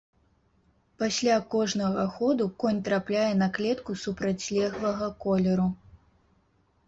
Пасля кожнага ходу конь трапляе на клетку супрацьлеглага колеру.